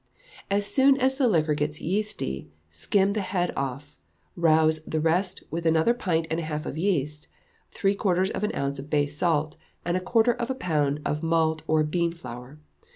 As soon as the liquor gets yeasty, skim the head half off; rouse the rest with another pint and a half of yeast, three quarters of an ounce of bay salt, and a quarter of a pound of malt or bean flour.